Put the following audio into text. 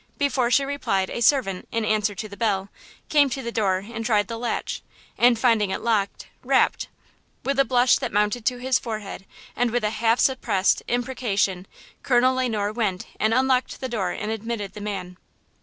Before she replied a servant, in answer to the bell, came to the door and tried the latch, and, finding it locked, rapped. With a blush that mounted to his forehead and with a half suppressed imprecation, Colonel Le Noir went and unlocked the door and admitted the man.